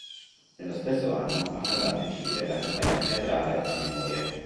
Nello stesso anno ha fondato in Cile la compagnia teatrale La Memoria.